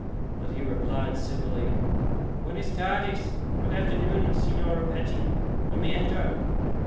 But he replied civilly: "Buenas tardes, good afternoon, Señor Apache. You may enter."